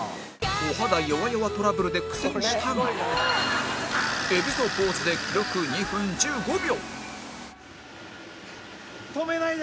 お肌よわよわトラブルで苦戦したが海老蔵ポーズで記録２分１５秒